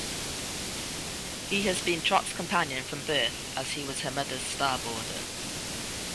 He has been Trot's companion from birth as he was her mother's star boarder.